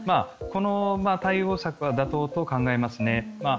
この対応策は妥当と考えますね。